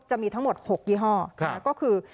จะมีทั้งหมด๖ยี่ห้อก็คือ